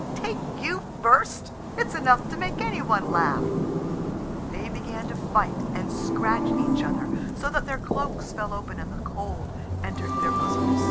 "Take you first! It's enough to make any one laugh!" They began to fight and scratch each other, so that their cloaks fell open and the cold entered their bosoms.